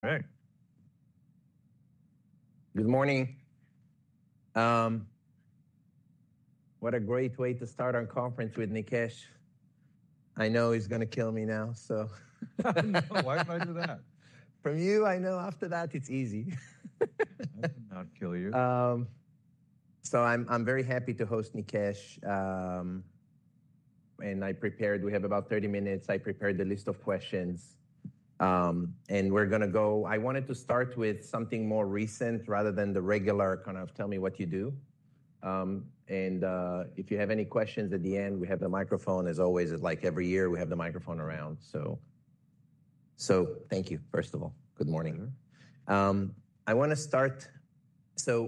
All right. Good morning. What a great way to start our conference with Nikesh. I know he's going to kill me now, so. Why would I do that? From you, I know after that it's easy. I will not kill you. I'm very happy to host Nikesh. I prepared—we have about 30 minutes. I prepared the list of questions. We're going to go—I wanted to start with something more recent rather than the regular kind of "tell me what you do." If you have any questions at the end, we have the microphone, as always. Like every year, we have the microphone around. Thank you, first of all. Good morning. I want to start—I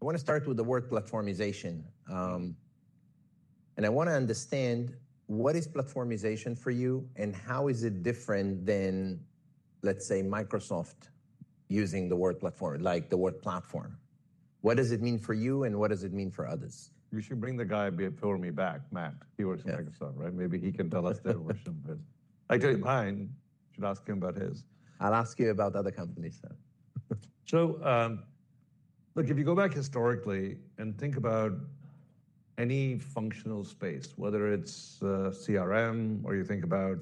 want to start with the word "platformization." I want to understand what is platformization for you and how is it different than, let's say, Microsoft using the word "platform," like the word "platform." What does it mean for you and what does it mean for others? You should bring the guy before me back, Matt. He works in Microsoft, right? Maybe he can tell us their version. I tell you mine, you should ask him about his. I'll ask you about other companies then. Look, if you go back historically and think about any functional space, whether it's CRM or you think about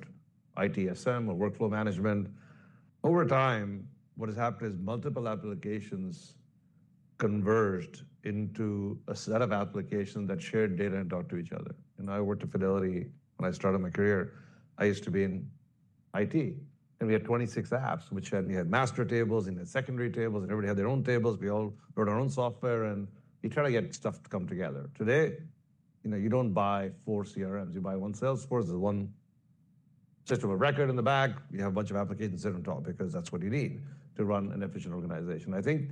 ITSM or workflow management, over time, what has happened is multiple applications converged into a set of applications that shared data and talked to each other. You know, I worked at Fidelity when I started my career. I used to be in IT, and we had 26 apps, which had—we had master tables, and we had secondary tables, and everybody had their own tables. We all wrote our own software, and you try to get stuff to come together. Today, you know, you don't buy four CRMs. You buy one Salesforce, one system of record in the back. You have a bunch of applications sitting on top because that's what you need to run an efficient organization. I think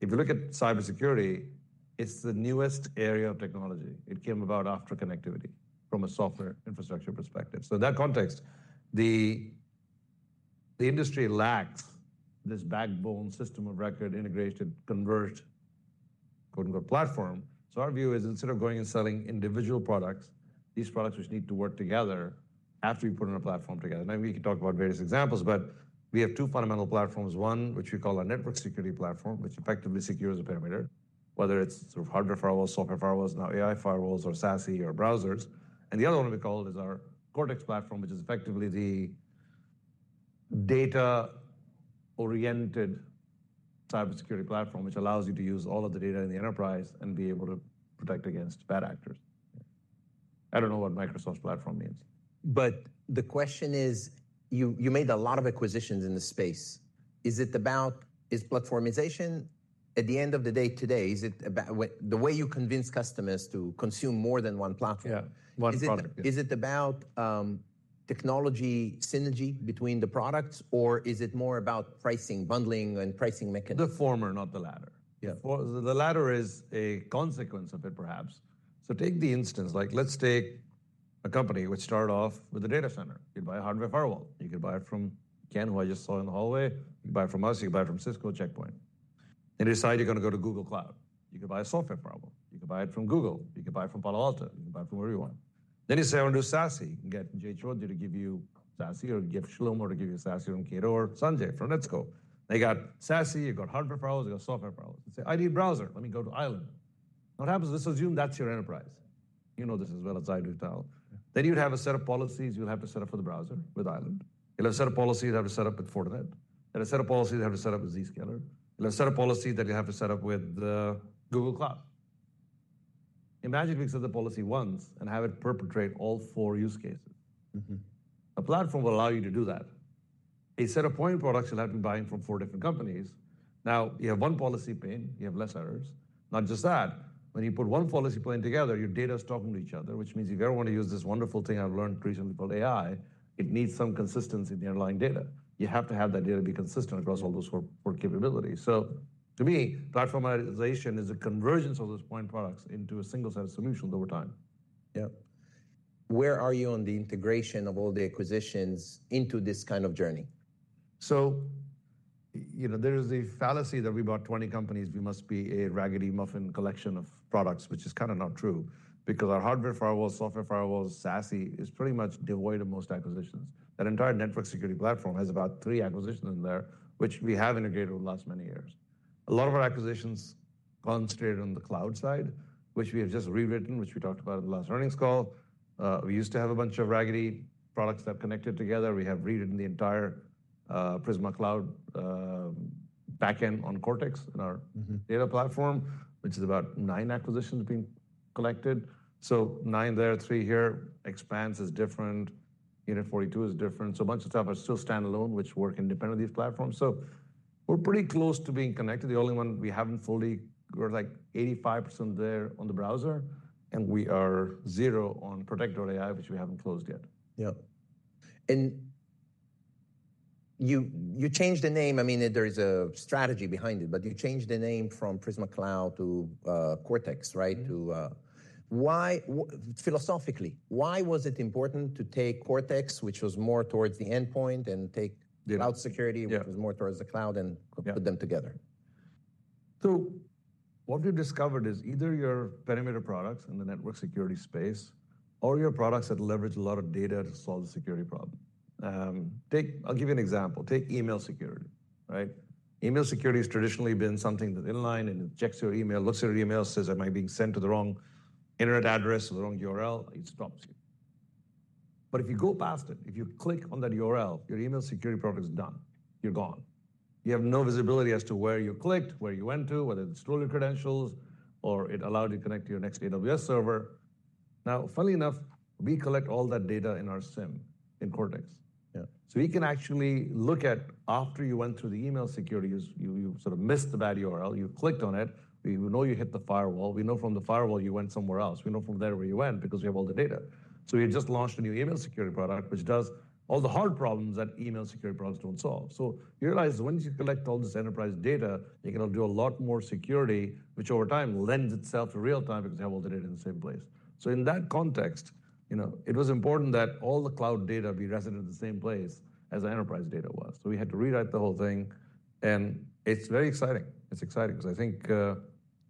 if you look at cybersecurity, it's the newest area of technology. It came about after connectivity from a software infrastructure perspective. In that context, the industry lacks this backbone system of record integration converged "platform." Our view is instead of going and selling individual products, these products which need to work together after you put in a platform together. We can talk about various examples, but we have two fundamental platforms. One, which we call our network security platform, which effectively secures the perimeter, whether it's sort of hardware firewalls, software firewalls, now AI firewalls, or SASE or browsers. The other one we call is our Cortex platform, which is effectively the data-oriented cybersecurity platform, which allows you to use all of the data in the enterprise and be able to protect against bad actors. I don't know what Microsoft's platform means. The question is, you made a lot of acquisitions in the space. Is platformization at the end of the day today, is it about the way you convince customers to consume more than one platform? Yeah, one product. Is it about technology synergy between the products, or is it more about pricing, bundling, and pricing mechanisms? The former, not the latter. Yeah. The latter is a consequence of it, perhaps. Take the instance, like let's take a company which started off with a data center. You'd buy a hardware firewall. You could buy it from Ken, who I just saw in the hallway. You could buy it from us. You could buy it from Cisco, Check Point. You decide you're going to go to Google Cloud. You could buy a software firewall. You could buy it from Google. You could buy it from Palo Alto. You could buy it from wherever you want. You say, "I want to do SASE." You can get Jay Chaudhry to give you SASE or get Schlumberger to give you SASE from Kator, Sanjay from Netskope. They got SASE, you got hardware firewalls, you got software firewalls. You say, "I need a browser. Let me go to Island. What happens is this assumes that's your enterprise. You know this as well as I do, Tal. You'd have a set of policies you'll have to set up for the browser with Island. You'll have a set of policies you'll have to set up with Fortinet. You'll have a set of policies you'll have to set up with Zscaler. You'll have a set of policies that you'll have to set up with Google Cloud. Imagine we set the policy once and have it perpetrate all four use cases. Mm-hmm. A platform will allow you to do that. A set of point products you'll have to be buying from four different companies. Now, you have one policy pin, you have less errors. Not just that. When you put one policy point together, your data is talking to each other, which means if you ever want to use this wonderful thing I've learned recently called AI, it needs some consistency in the underlying data. You have to have that data be consistent across all those four capabilities. To me, platformization is a convergence of those point products into a single set of solutions over time. Yeah. Where are you on the integration of all the acquisitions into this kind of journey? You know, there is a fallacy that we bought 20 companies. We must be a raggedy muffin collection of products, which is kind of not true because our hardware firewalls, software firewalls, SASE is pretty much devoid of most acquisitions. That entire network security platform has about three acquisitions in there, which we have integrated over the last many years. A lot of our acquisitions concentrated on the cloud side, which we have just rewritten, which we talked about in the last earnings call. We used to have a bunch of raggedy products that connected together. We have rewritten the entire Prisma Cloud backend on Cortex in our data platform, which is about nine acquisitions being collected. So nine there, three here. Expanse is different. Unit 42 is different. So a bunch of stuff are still standalone, which work independently of these platforms. We're pretty close to being connected. The only one we haven't fully—we're like 85% there on the browser, and we are zero on Protect or AI, which we haven't closed yet. Yeah. You changed the name. I mean, there is a strategy behind it, but you changed the name from Prisma Cloud to Cortex, right? To, why—philosophically, why was it important to take Cortex, which was more towards the endpoint, and take cloud security, which was more towards the cloud, and put them together? What we've discovered is either your perimeter products in the network security space or your products that leverage a lot of data to solve the security problem. Take—I'll give you an example. Take email security, right? Email security has traditionally been something that inline and it checks your email, looks at your email, says, "Am I being sent to the wrong internet address or the wrong URL?" It stops you. If you go past it, if you click on that URL, your email security product is done. You're gone. You have no visibility as to where you clicked, where you went to, whether it stole your credentials or it allowed you to connect to your next AWS server. Now, funnily enough, we collect all that data in our SIEM in Cortex. Yeah. We can actually look at after you went through the email security, you sort of missed the bad URL. You clicked on it. We know you hit the firewall. We know from the firewall you went somewhere else. We know from there where you went because we have all the data. We just launched a new email security product, which does all the hard problems that email security products do not solve. You realize once you collect all this enterprise data, you can do a lot more security, which over time lends itself to real time because you have all the data in the same place. In that context, you know, it was important that all the cloud data be resident in the same place as the enterprise data was. We had to rewrite the whole thing. It is very exciting. It's exciting because I think, it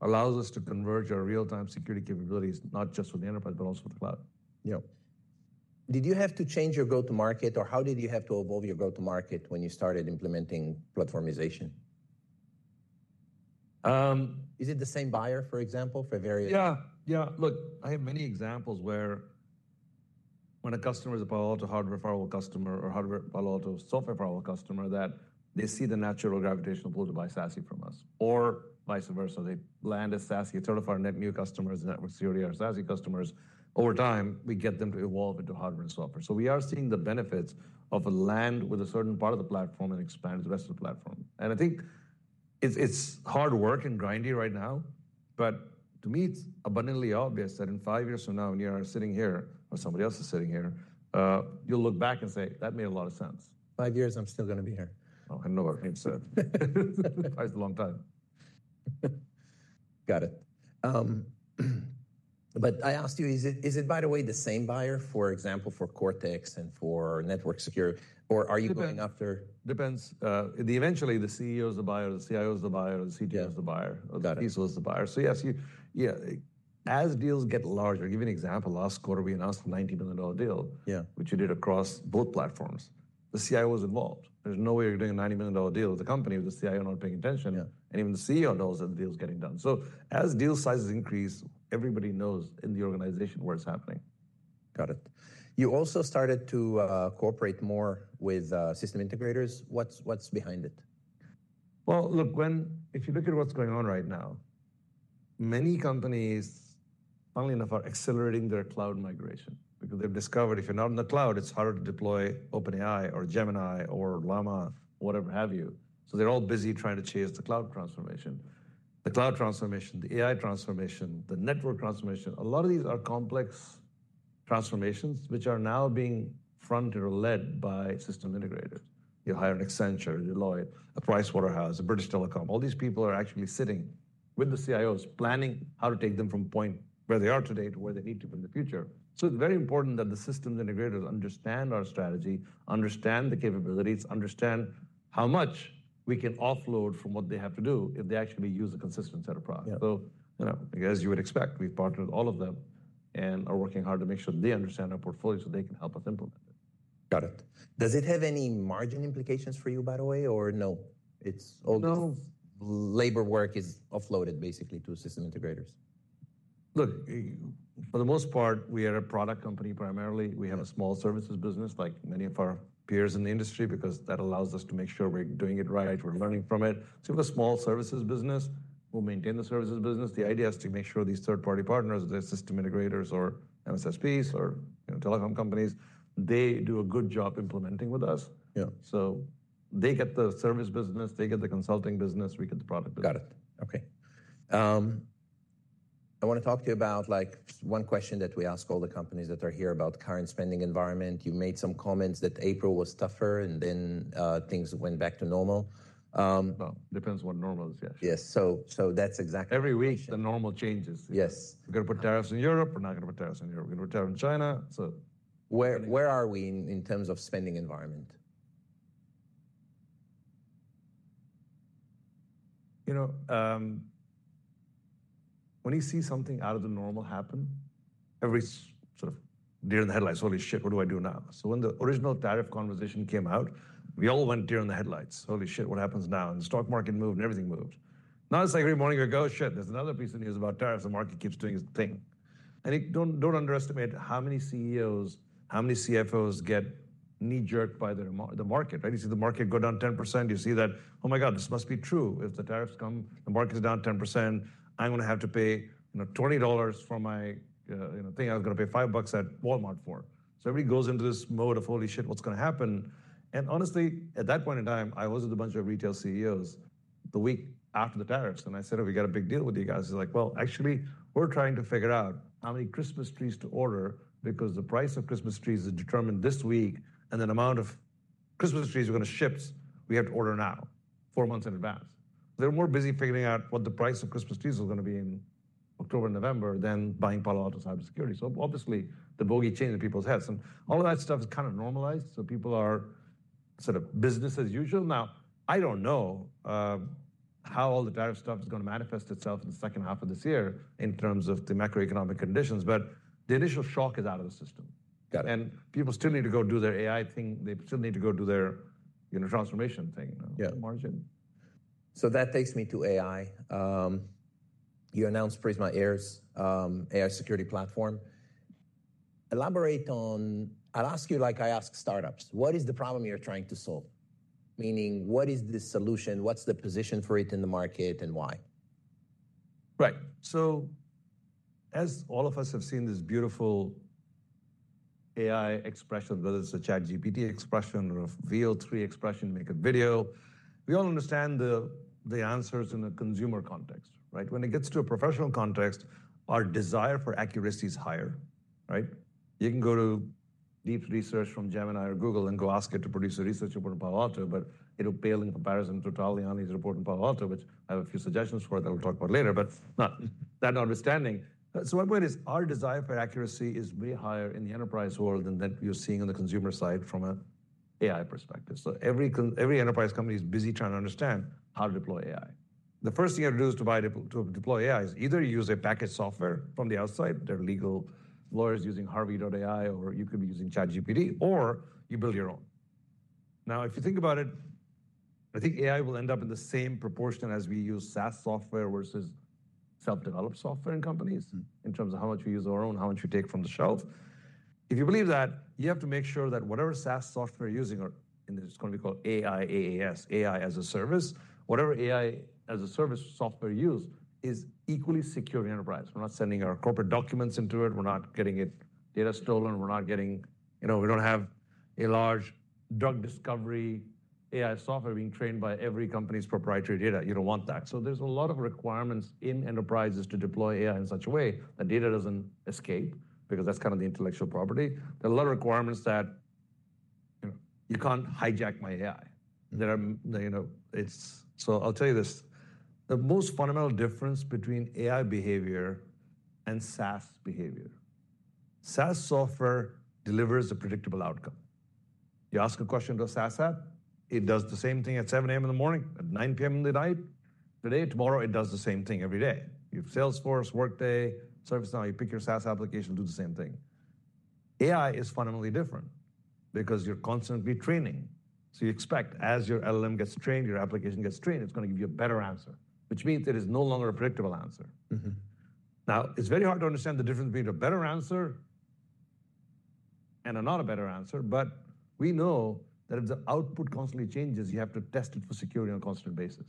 allows us to converge our real-time security capabilities, not just with the enterprise, but also with the cloud. Yeah. Did you have to change your go-to-market, or how did you have to evolve your go-to-market when you started implementing platformization? Is it the same buyer, for example, for various— Yeah. Yeah. Look, I have many examples where when a customer is a Palo Alto hardware firewall customer or a Palo Alto software firewall customer, that they see the natural gravitational pull to buy SASE from us or vice versa. They land a SASE. It's sort of our net new customers, network security, our SASE customers. Over time, we get them to evolve into hardware and software. We are seeing the benefits of a land with a certain part of the platform and expand the rest of the platform. I think it's hard work and grindy right now, but to me, it's abundantly obvious that in five years from now, when you're sitting here or somebody else is sitting here, you'll look back and say, "That made a lot of sense. Five years, I'm still going to be here. Oh, I know what I need to say. It's a long time. Got it. But I asked you, is it—is it, by the way, the same buyer, for example, for Cortex and for network security, or are you going after— It depends. Eventually, the CEO's the buyer, the CIO's the buyer, the CTO's the buyer, the VCO's the buyer. Yes, as deals get larger. I'll give you an example. Last quarter, we announced a $90 million deal. Yeah. Which you did across both platforms. The CIO was involved. There's no way you're doing a $90 million deal with a company with the CIO not paying attention. Yeah. Even the CEO knows that the deal's getting done. As deal sizes increase, everybody knows in the organization where it's happening. Got it. You also started to cooperate more with system integrators. What's—what's behind it? If you look at what's going on right now, many companies, funnily enough, are accelerating their cloud migration because they've discovered if you're not in the cloud, it's harder to deploy OpenAI or Gemini or LlaMA, whatever have you. They're all busy trying to chase the cloud transformation. The cloud transformation, the AI transformation, the network transformation, a lot of these are complex transformations which are now being fronted or led by system integrators. You hire an Accenture, Deloitte, PricewaterhouseCoopers, British Telecom. All these people are actually sitting with the CIOs, planning how to take them from point where they are today to where they need to be in the future. It is very important that the systems integrators understand our strategy, understand the capabilities, understand how much we can offload from what they have to do if they actually use a consistent set of products. You know, as you would expect, we have partnered with all of them and are working hard to make sure that they understand our portfolio so they can help us implement it. Got it. Does it have any margin implications for you, by the way, or no? It is all— No. Labor work is offloaded basically to system integrators. Look, for the most part, we are a product company primarily. We have a small services business like many of our peers in the industry because that allows us to make sure we're doing it right. We're learning from it. We have a small services business. We'll maintain the services business. The idea is to make sure these third-party partners, the system integrators or MSSPs or, you know, telecom companies, they do a good job implementing with us. Yeah. They get the service business, they get the consulting business, we get the product business. Got it. Okay. I want to talk to you about, like, one question that we ask all the companies that are here about current spending environment. You made some comments that April was tougher and then, things went back to normal. It depends what normal is, yes. Yes. So that's exactly. Every week, the normal changes. Yes. We're going to put tariffs in Europe. We're not going to put tariffs in Europe. We're going to put tariffs in China. Where are we in terms of spending environment? You know, when you see something out of the normal happen, every sort of deer in the headlights, "Holy shit, what do I do now?" When the original tariff conversation came out, we all went deer in the headlights. "Holy shit, what happens now?" The stock market moved and everything moved. Now it's like, every morning we go, "Oh shit, there's another piece of news about tariffs. The market keeps doing its thing." Do not underestimate how many CEOs, how many CFOs get knee-jerked by the market, right? You see the market go down 10%. You see that, "Oh my God, this must be true. If the tariffs come, the market's down 10%. I'm going to have to pay, you know, $20 for my, you know, thing I was going to pay five bucks at Walmart for." Everybody goes into this mode of, "Holy shit, what's going to happen?" Honestly, at that point in time, I was with a bunch of retail CEOs the week after the tariffs. I said, "Oh, we got a big deal with you guys." He's like, "Actually, we're trying to figure out how many Christmas trees to order because the price of Christmas trees is determined this week, and the amount of Christmas trees are going to ship. We have to order now, four months in advance." They are more busy figuring out what the price of Christmas trees is going to be in October and November than buying Palo Alto Networks cybersecurity. Obviously, the bogey changed in people's heads. All of that stuff has kind of normalized. People are sort of business as usual now. I do not know how all the tariff stuff is going to manifest itself in the second half of this year in terms of the macroeconomic conditions, but the initial shock is out of the system. Got it. People still need to go do their AI thing. They still need to go do their, you know, transformation thing. Yeah. Margin. That takes me to AI. You announced Prisma AIRS, AI security platform. Elaborate on—I'll ask you like I ask startups. What is the problem you're trying to solve? Meaning, what is the solution? What's the position for it in the market and why? Right. As all of us have seen this beautiful AI expression, whether it's a ChatGPT expression or a VO3 expression, make a video, we all understand the answers in a consumer context, right? When it gets to a professional context, our desire for accuracy is higher, right? You can go to deep research from Gemini or Google and go ask it to produce a research report on Palo Alto, but it'll pale in comparison to Tal Liani's report on Palo Alto, which I have a few suggestions for that we'll talk about later, but not that understanding. What it is, our desire for accuracy is way higher in the enterprise world than that you're seeing on the consumer side from an AI perspective. Every enterprise company is busy trying to understand how to deploy AI. The first thing you have to do to deploy AI is either use a packaged software from the outside, there are legal lawyers using Harvey.ai, or you could be using ChatGPT, or you build your own. Now, if you think about it, I think AI will end up in the same proportion as we use SaaS software versus self-developed software in companies in terms of how much we use our own, how much we take from the shelf. If you believe that, you have to make sure that whatever SaaS software you're using, or in this is going to be called AI as a service, whatever AI as a service software you use is equally secure in enterprise. We're not sending our corporate documents into it. We're not getting data stolen. We're not getting, you know, we don't have a large drug discovery AI software being trained by every company's proprietary data. You don't want that. There are a lot of requirements in enterprises to deploy AI in such a way that data doesn't escape because that's kind of the intellectual property. There are a lot of requirements that, you know, you can't hijack my AI. There are, you know, it's—so I'll tell you this. The most fundamental difference between AI behavior and SaaS behavior. SaaS software delivers a predictable outcome. You ask a question to a SaaS app, it does the same thing at 7:00 A.M. in the morning, at 9:00 P.M. in the night. Today, tomorrow, it does the same thing every day. You have Salesforce, Workday, ServiceNow. You pick your SaaS application, do the same thing. AI is fundamentally different because you're constantly training. You expect as your LLM gets trained, your application gets trained, it's going to give you a better answer, which means it is no longer a predictable answer. Now, it's very hard to understand the difference between a better answer and a not a better answer, but we know that if the output constantly changes, you have to test it for security on a constant basis.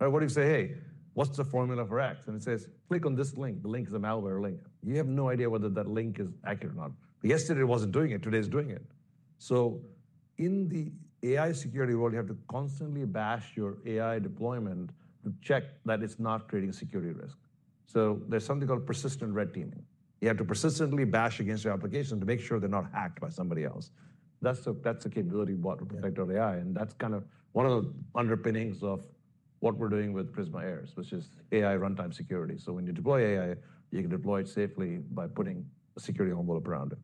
Right? What do you say? "Hey, what's the formula for X?" And it says, "Click on this link." The link is a malware link. You have no idea whether that link is accurate or not. Yesterday it wasn't doing it. Today it's doing it. In the AI security world, you have to constantly bash your AI deployment to check that it's not creating a security risk. There is something called persistent red teaming. You have to persistently bash against your application to make sure they're not hacked by somebody else. That's the capability we bought to protect our AI. That's kind of one of the underpinnings of what we're doing with Prisma AIRS, which is AI runtime security. When you deploy AI, you can deploy it safely by putting a security envelope around it.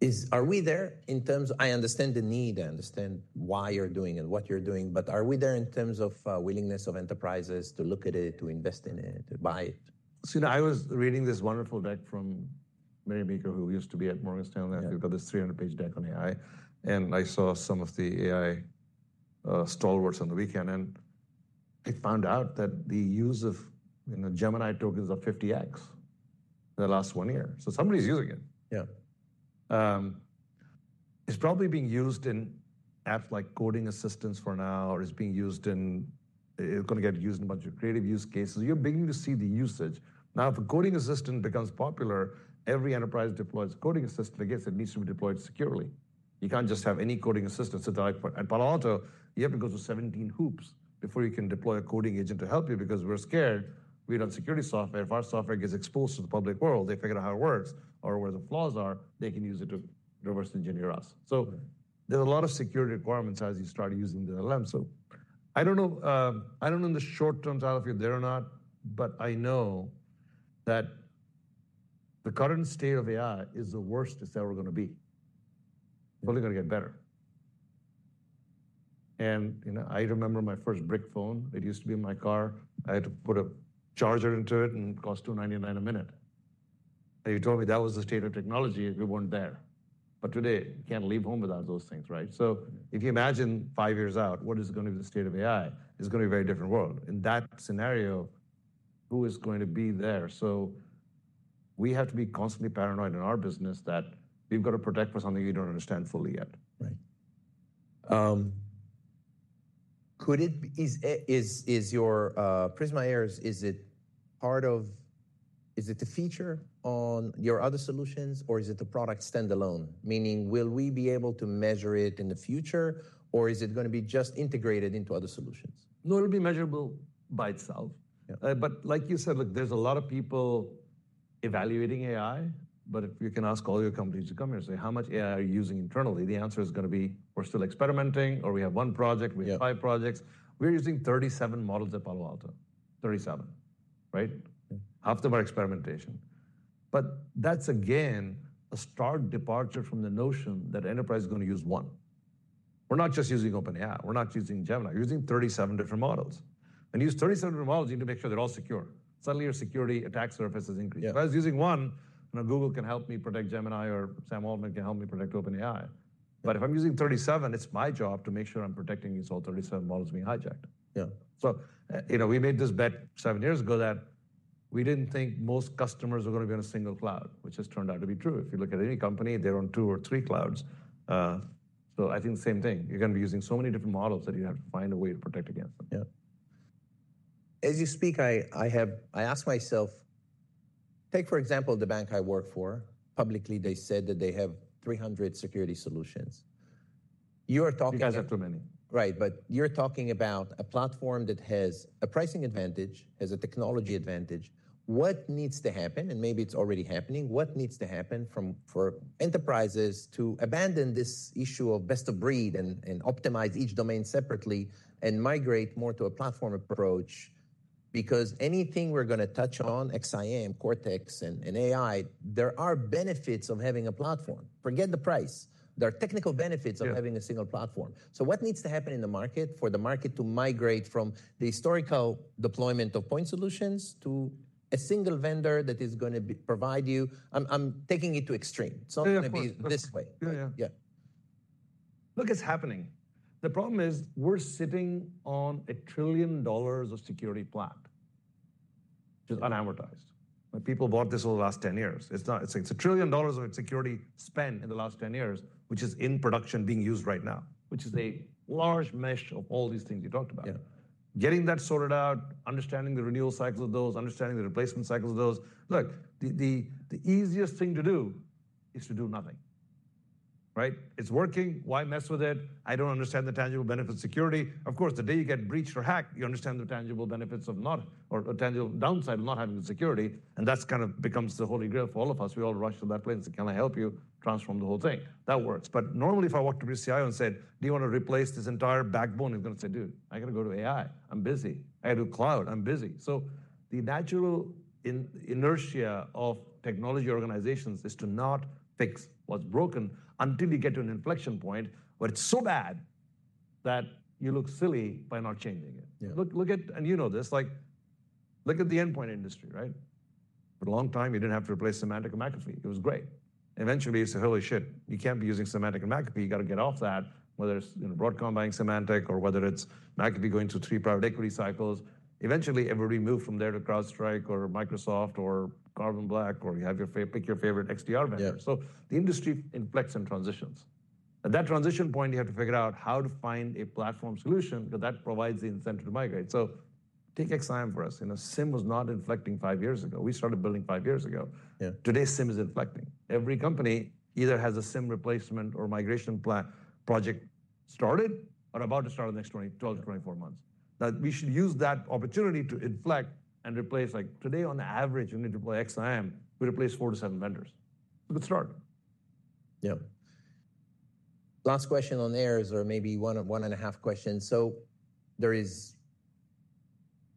Is—are we there in terms of—I understand the need. I understand why you're doing it, what you're doing, but are we there in terms of willingness of enterprises to look at it, to invest in it, to buy it? You know, I was reading this wonderful deck from Mary Baker, who used to be at Morgan Stanley. I think it's about this 300-page deck on AI. I saw some of the AI stalwarts on the weekend, and I found out that the use of, you know, Gemini tokens of 50X in the last one year. Somebody's using it. Yeah. It's probably being used in apps like coding assistants for now, or it's being used in—it's going to get used in a bunch of creative use cases. You're beginning to see the usage. Now, if a coding assistant becomes popular, every enterprise deploys a coding assistant against it. It needs to be deployed securely. You can't just have any coding assistant. At Palo Alto, you have to go through 17 hoops before you can deploy a coding agent to help you because we're scared we don't have security software. If our software gets exposed to the public world, they figure out how it works or where the flaws are, they can use it to reverse engineer us. There are a lot of security requirements as you start using the LLM. I don't know, I don't know in the short term out of here there or not, but I know that the current state of AI is the worst it's ever going to be. It's only going to get better. And, you know, I remember my first brick phone. It used to be in my car. I had to put a charger into it, and it cost $2.99 a minute. You told me that was the state of technology if we weren't there. But today, you can't leave home without those things, right? If you imagine five years out, what is going to be the state of AI? It's going to be a very different world. In that scenario, who is going to be there? We have to be constantly paranoid in our business that we've got to protect for something we don't understand fully yet. Right. Could it—is Prisma AIRS, is it part of—is it a feature on your other solutions, or is it a product standalone? Meaning, will we be able to measure it in the future, or is it going to be just integrated into other solutions? No, it'll be measurable by itself. Yeah. Like you said, look, there's a lot of people evaluating AI, but if you can ask all your companies to come here and say, "How much AI are you using internally?" the answer is going to be, "We're still experimenting," or "We have one project, we have five projects." We're using 37 models at Palo Alto. Thirty-seven, right? Half of them are experimentation. That's, again, a stark departure from the notion that enterprise is going to use one. We're not just using OpenAI. We're not using Gemini. We're using 37 different models. When you use 37 different models, you need to make sure they're all secure. Suddenly, your security attack surface is increased. If I was using one, you know, Google can help me protect Gemini or Sam Altman can help me protect OpenAI. If I'm using 37, it's my job to make sure I'm protecting these all 37 models being hijacked. Yeah. You know, we made this bet seven years ago that we didn't think most customers are going to be on a single cloud, which has turned out to be true. If you look at any company, they're on two or three clouds. I think the same thing. You're going to be using so many different models that you have to find a way to protect against them. Yeah. As you speak, I have—I ask myself, take for example the bank I work for. Publicly, they said that they have 300 security solutions. You are talking about— You guys have too many. Right. But you're talking about a platform that has a pricing advantage, has a technology advantage. What needs to happen? Maybe it's already happening. What needs to happen from enterprises to abandon this issue of best of breed and optimize each domain separately and migrate more to a platform approach? Because anything we're going to touch on, XSIAM, Cortex, and AI, there are benefits of having a platform. Forget the price. There are technical benefits of having a single platform. What needs to happen in the market for the market to migrate from the historical deployment of point solutions to a single vendor that is going to provide you? I'm taking it to extreme. It's not going to be this way. Yeah, yeah. Yeah. Look, it's happening. The problem is we're sitting on a trillion dollars of security plant. It's unamortized. People bought this over the last 10 years. It's not—it's a trillion dollars of security spent in the last 10 years, which is in production being used right now, which is a large mesh of all these things you talked about. Yeah. Getting that sorted out, understanding the renewal cycle of those, understanding the replacement cycle of those. Look, the easiest thing to do is to do nothing, right? It's working. Why mess with it? I don't understand the tangible benefit of security. Of course, the day you get breached or hacked, you understand the tangible benefits of not—or the tangible downside of not having security. That kind of becomes the holy grail for all of us. We all rush to that place and say, "Can I help you transform the whole thing?" That works. Normally, if I walked up to a CIO and said, "Do you want to replace this entire backbone?" He's going to say, "Dude, I got to go to AI. I'm busy. I got to do cloud. I'm busy." The natural inertia of technology organizations is to not fix what's broken until you get to an inflection point where it's so bad that you look silly by not changing it. Yeah. Look at—and you know this—like, look at the endpoint industry, right? For a long time, you did not have to replace Symantec and McAfee. It was great. Eventually, it is a hell of a shift. You cannot be using Symantec and McAfee. You got to get off that, whether it is, you know, Broadcom buying Symantec or whether it is McAfee going through three private equity cycles. Eventually, everybody moved from there to CrowdStrike or Microsoft or Carbon Black, or you have your—pick your favorite XDR vendor. Yeah. The industry inflects and transitions. At that transition point, you have to figure out how to find a platform solution because that provides the incentive to migrate. Take XSIAM for us. You know, SIEM was not inflecting five years ago. We started building five years ago. Yeah. Today, SIEM is inflecting. Every company either has a SIEM replacement or migration plan project started or about to start in the next 12 to 24 months. Now, we should use that opportunity to inflect and replace. Like today, on average, when you deploy XSIAM, we replace four to seven vendors. It's a good start. Yeah. Last question on AIRS, or maybe one and a half questions. There is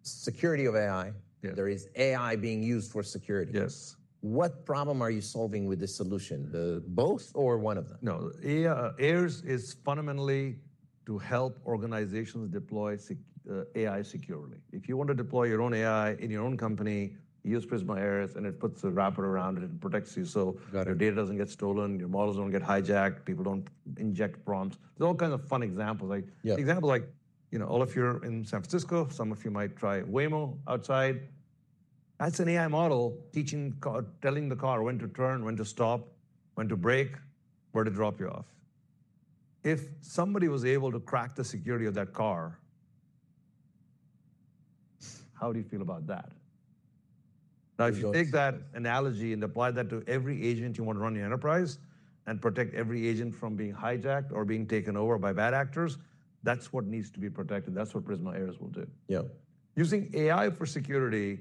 security of AI. Yeah. There is AI being used for security. Yes. What problem are you solving with this solution? Both or one of them? No, AIRS is fundamentally to help organizations deploy AI securely. If you want to deploy your own AI in your own company, use Prisma AIRS, and it puts a wrapper around it and protects you. Got it. Your data does not get stolen, your models do not get hijacked, people do not inject prompts. There are all kinds of fun examples. Yeah. Like examples like, you know, all of you are in San Francisco. Some of you might try Waymo outside. That's an AI model teaching or telling the car when to turn, when to stop, when to brake, where to drop you off. If somebody was able to crack the security of that car, how do you feel about that? Now, if you take that analogy and apply that to every agent you want to run your enterprise and protect every agent from being hijacked or being taken over by bad actors, that's what needs to be protected. That's what Prisma AIRS will do. Yeah. Using AI for security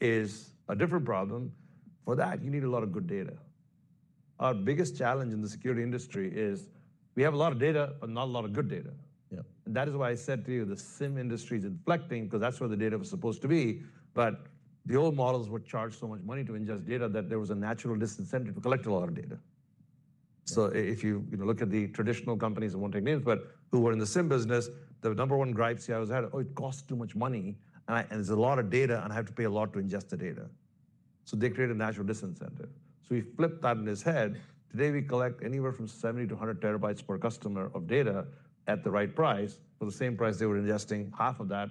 is a different problem. For that, you need a lot of good data. Our biggest challenge in the security industry is we have a lot of data, but not a lot of good data. Yeah. That is why I said to you, the SIEM industry is inflecting because that's where the data was supposed to be. The old models were charged so much money to ingest data that there was a natural disincentive to collect a lot of data. If you, you know, look at the traditional companies, I won't take names, but who were in the SIEM business, the number one gripes you always had, "Oh, it costs too much money, and there's a lot of data, and I have to pay a lot to ingest the data." They created a natural disincentive. We flipped that on its head. Today, we collect anywhere from 70-100 terabytes per customer of data at the right price for the same price they were ingesting half of that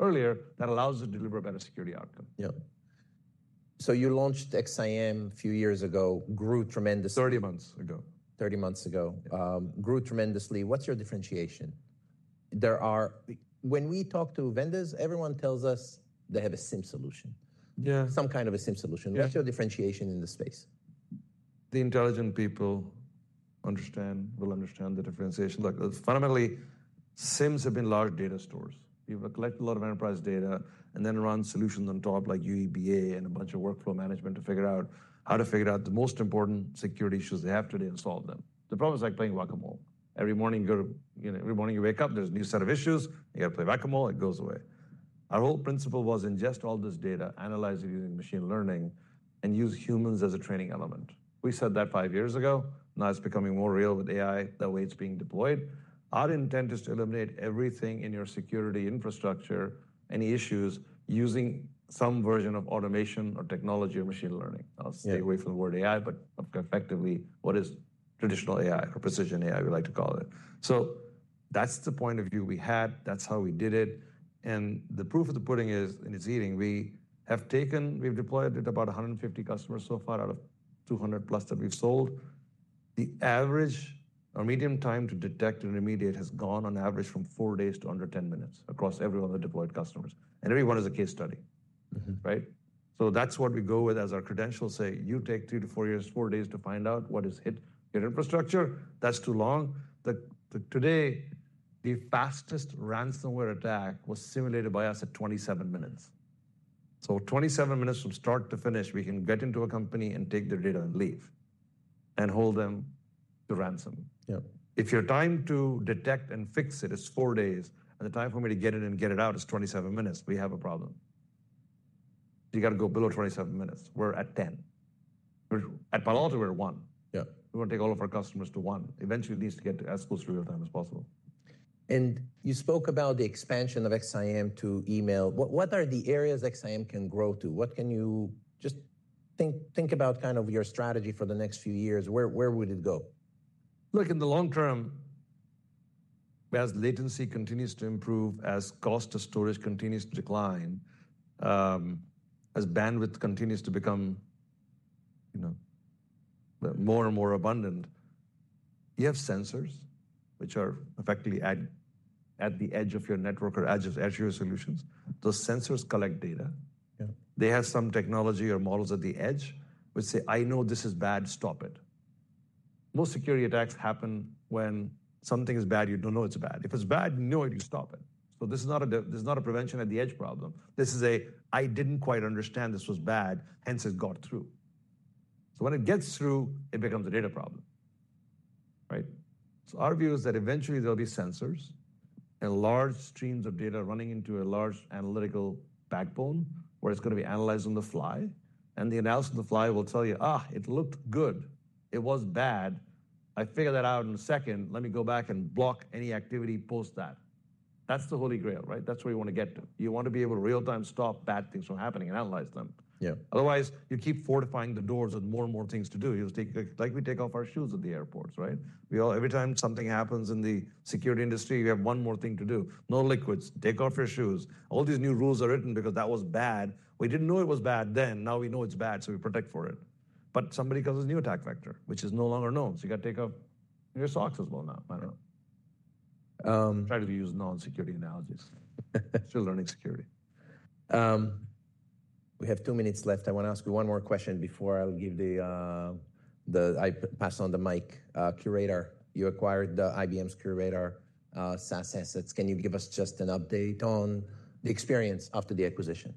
earlier. That allows us to deliver a better security outcome. Yeah. So you launched XSIAM a few years ago, grew tremendously. Thirty months ago. Thirty months ago. Yeah. Grew tremendously. What's your differentiation? There are, when we talk to vendors, everyone tells us they have a SIEM solution. Yeah. Some kind of a SIEM solution. Yeah. What's your differentiation in the space? The intelligent people understand, will understand the differentiation. Look, fundamentally, SIEMs have been large data stores. People collect a lot of enterprise data and then run solutions on top, like UEBA and a bunch of workflow management to figure out how to figure out the most important security issues they have today and solve them. The problem is like playing whack-a-mole. Every morning you go to, you know, every morning you wake up, there's a new set of issues. You got to play whack-a-mole. It goes away. Our whole principle was ingest all this data, analyze it using machine learning, and use humans as a training element. We said that five years ago. Now it's becoming more real with AI, the way it's being deployed. Our intent is to eliminate everything in your security infrastructure, any issues, using some version of automation or technology or machine learning. Yeah. I'll stay away from the word AI, but effectively, what is traditional AI or precision AI, we like to call it. That's the point of view we had. That's how we did it. The proof of the pudding is, and it's eating, we have taken, we've deployed at about 150 customers so far out of 200 plus that we've sold. The average or median time to detect and remediate has gone on average from four days to under 10 minutes across every one of the deployed customers. Every one is a case study, right? That's what we go with as our credentials. Say, you take three to four years, four days to find out what has hit your infrastructure. That's too long. Today, the fastest ransomware attack was simulated by us at 27 minutes. Twenty-seven minutes from start to finish, we can get into a company and take their data and leave and hold them to ransom. Yeah. If your time to detect and fix it is four days and the time for me to get in and get it out is 27 minutes, we have a problem. You got to go below 27 minutes. We're at 10. At Palo Alto, we're at one. Yeah. We want to take all of our customers to one. Eventually, it needs to get as close to real time as possible. You spoke about the expansion of XSIAM to email. What are the areas XSIAM can grow to? What can you just think about kind of your strategy for the next few years? Where would it go? Look, in the long term, as latency continues to improve, as cost of storage continues to decline, as bandwidth continues to become, you know, more and more abundant, you have sensors which are effectively at the edge of your network or edge of edge of your solutions. Those sensors collect data. Yeah. They have some technology or models at the edge which say, "I know this is bad. Stop it." Most security attacks happen when something is bad. You do not know it is bad. If it is bad, you know it. You stop it. This is not a prevention at the edge problem. This is a, "I did not quite understand this was bad. Hence, it got through." When it gets through, it becomes a data problem, right? Our view is that eventually there will be sensors and large streams of data running into a large analytical backbone where it is going to be analyzed on the fly. The analysis on the fly will tell you, it looked good. It was bad. I figured that out in a second. Let me go back and block any activity post that. That is the holy grail, right? That is where you want to get to. You want to be able to real-time stop bad things from happening and analyze them. Yeah. Otherwise, you keep fortifying the doors with more and more things to do. You'll take, like we take off our shoes at the airports, right? Every time something happens in the security industry, you have one more thing to do. No liquids. Take off your shoes. All these new rules are written because that was bad. We didn't know it was bad then. Now we know it's bad, so we protect for it. Somebody causes a new attack vector, which is no longer known. You got to take off your socks as well now. I don't know. Yeah. Try to use non-security analogies. Still learning security. We have two minutes left. I want to ask you one more question before I pass on the mic. QRadar you acquired IBM's QRadar SaaS assets. Can you give us just an update on the experience after the acquisition?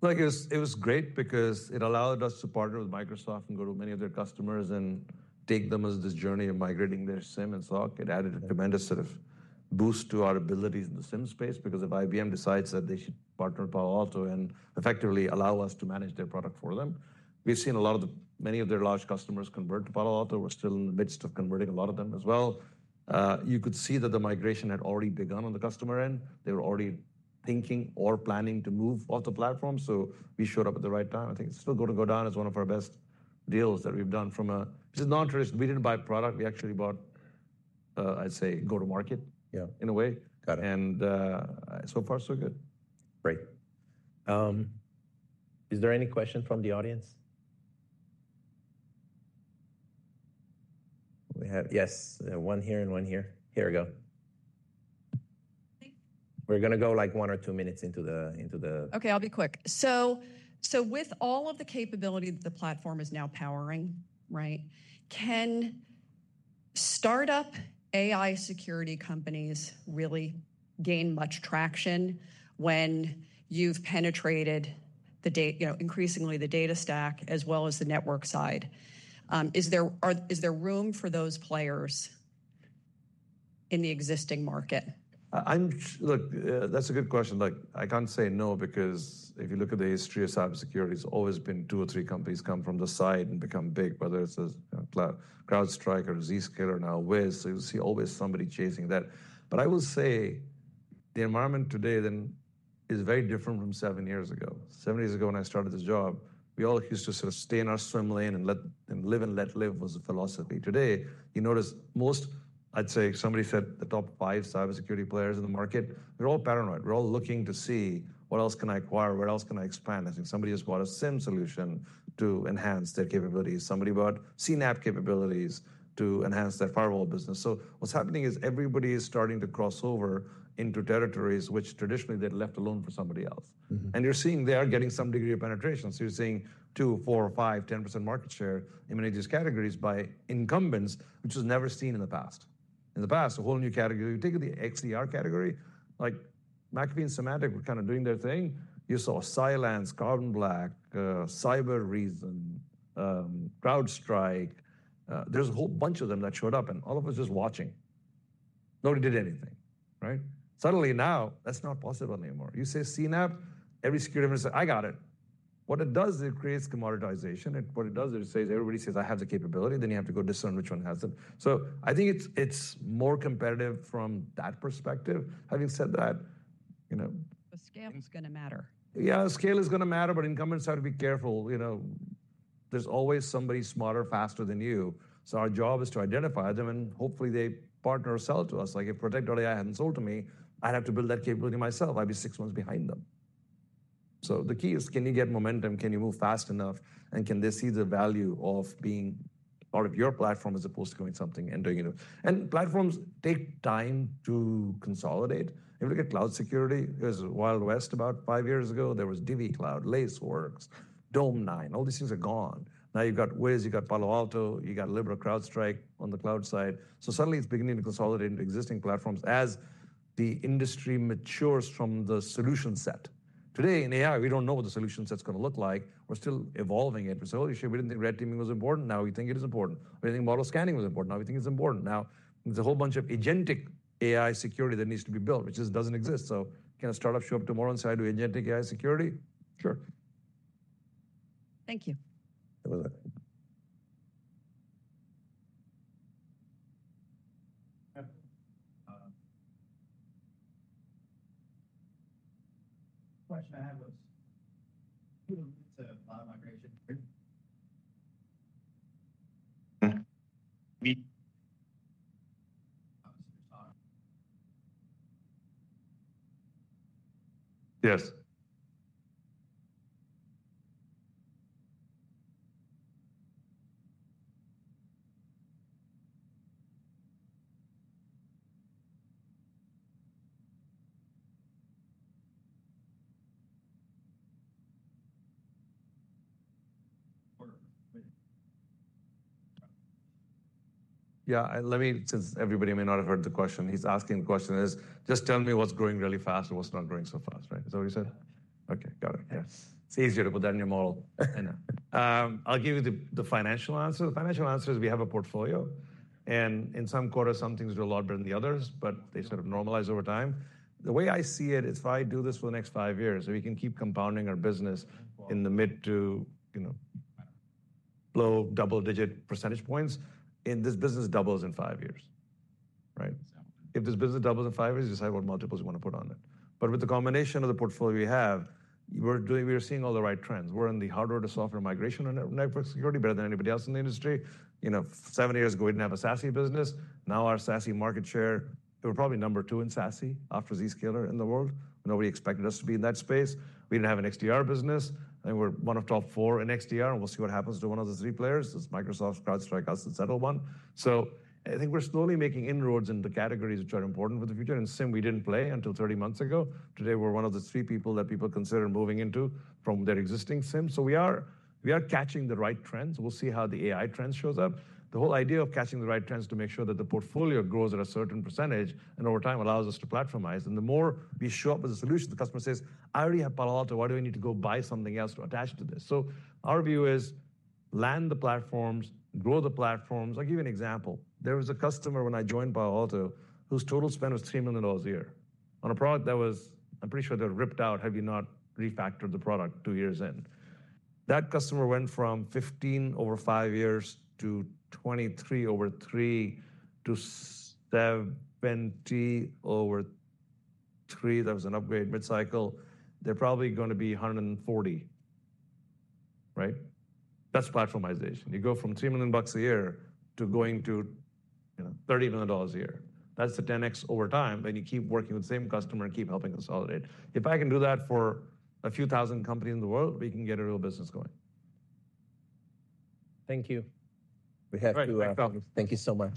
Look, it was great because it allowed us to partner with Microsoft and go to many of their customers and take them as this journey of migrating their SIEM and SOC. It added a tremendous sort of boost to our abilities in the SIEM space because if IBM decides that they should partner with Palo Alto and effectively allow us to manage their product for them, we've seen a lot of the, many of their large customers convert to Palo Alto. We're still in the midst of converting a lot of them as well. You could see that the migration had already begun on the customer end. They were already thinking or planning to move off the platform. We showed up at the right time. I think it's still going to go down as one of our best deals that we've done from a, this is non-traditional. We didn't buy product. We actually bought, I'd say, go-to-market. Yeah. In a way. Got it. So far, so good. Great. Is there any question from the audience? We have, yes, one here and one here. Here we go. We're going to go like one or two minutes into the. Okay, I'll be quick. With all of the capability that the platform is now powering, right, can startup AI security companies really gain much traction when you've penetrated the, you know, increasingly the data stack as well as the network side? Is there room for those players in the existing market? I'm, look, that's a good question. Look, I can't say no because if you look at the history of cybersecurity, it's always been two or three companies come from the side and become big, whether it's CrowdStrike or Zscaler or now Wiz. You will see always somebody chasing that. I will say the environment today then is very different from seven years ago. Seven years ago when I started this job, we all used to sort of stay in our swim lane and let live and let live was the philosophy. Today, you notice most, I'd say somebody said the top five cybersecurity players in the market, they're all paranoid. We're all looking to see what else can I acquire? Where else can I expand? I think somebody has bought a SIEM solution to enhance their capabilities. Somebody bought CNAPP capabilities to enhance their firewall business. What's happening is everybody is starting to cross over into territories which traditionally they'd left alone for somebody else. You're seeing they are getting some degree of penetration. You're seeing 2%, 4%, 5%, 10% market share in many of these categories by incumbents, which was never seen in the past. In the past, a whole new category. You take the XDR category, like McAfee and Symantec were kind of doing their thing. You saw Cylance, Carbon Black, Cybereason, CrowdStrike. There's a whole bunch of them that showed up, and all of us just watching. Nobody did anything, right? Suddenly now, that's not possible anymore. You say CNAPP, every security vendor says, "I got it." What it does is it creates commoditization. What it does is it says, everybody says, "I have the capability." Then you have to go discern which one has it. I think it's more competitive from that perspective. Having said that, you know. Scale is going to matter. Yeah, scale is going to matter, but incumbents have to be careful. You know, there's always somebody smarter, faster than you. So our job is to identify them, and hopefully they partner or sell to us. Like if Protect AI hadn't sold to me, I'd have to build that capability myself. I'd be six months behind them. The key is, can you get momentum? Can you move fast enough? Can they see the value of being part of your platform as opposed to going something and doing it? Platforms take time to consolidate. If you look at cloud security, it was the Wild West about five years ago. There was DivvyCloud, Lacework, Dome9. All these things are gone. Now you've got Wiz, you've got Palo Alto, you've got Libra, CrowdStrike on the cloud side. Suddenly it's beginning to consolidate into existing platforms as the industry matures from the solution set. Today in AI, we don't know what the solution set's going to look like. We're still evolving it. We said, "Oh, shit, we didn't think red teaming was important. Now we think it is important. We didn't think model scanning was important. Now we think it's important." Now there's a whole bunch of agentic AI security that needs to be built, which just doesn't exist. Can a startup show up tomorrow and say, "I do agentic AI security"? Sure. Thank you. That was it. Question I have was, do you allow migration? Yes. Yeah, let me, since everybody may not have heard the question, he's asking the question is, just tell me what's growing really fast and what's not growing so fast, right? Is that what you said? Okay, got it. Yeah. It's easier to put that in your model. I know. I'll give you the financial answer. The financial answer is we have a portfolio, and in some quarters, some things grow a lot better than the others, but they sort of normalize over time. The way I see it is if I do this for the next five years, if we can keep compounding our business in the mid to, you know, low double-digit % points, this business doubles in five years, right? If this business doubles in five years, you decide what multiples you want to put on it. With the combination of the portfolio we have, we're doing, we are seeing all the right trends. We're in the hardware to software migration network security better than anybody else in the industry. You know, seven years ago, we didn't have a SASE business. Now our SASE market share, we're probably number two in SASE after Zscaler in the world. Nobody expected us to be in that space. We didn't have an XDR business. I think we're one of the top four in XDR, and we'll see what happens to one of the three players. It's Microsoft, CrowdStrike, us, and SentinelOne. I think we're slowly making inroads into categories which are important for the future. In SIEM, we didn't play until 30 months ago. Today, we're one of the three people that people consider moving into from their existing SIEM. We are catching the right trends. We'll see how the AI trends shows up. The whole idea of catching the right trends is to make sure that the portfolio grows at a certain % and over time allows us to platformize. The more we show up as a solution, the customer says, "I already have Palo Alto. Why do I need to go buy something else to attach to this?" Our view is land the platforms, grow the platforms. I'll give you an example. There was a customer when I joined Palo Alto whose total spend was $3 million a year on a product that was, I'm pretty sure they were ripped out, had we not refactored the product two years in. That customer went from 15 over five years to 23 over three to 70 over three. That was an upgrade mid-cycle. They're probably going to be 140, right? That's platformization. You go from $3 million a year to going to, you know, $30 million a year. That's the 10x over time when you keep working with the same customer and keep helping consolidate. If I can do that for a few thousand companies in the world, we can get a real business going. Thank you. We have to. All right, back to you. Thank you so much.